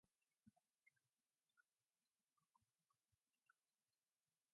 Subsequent critical reception for "Movement" has been very positive.